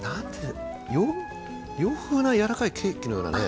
洋風なやわらかいケーキのようなね。